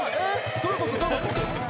どういうこと？